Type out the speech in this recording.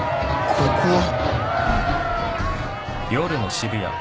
ここは。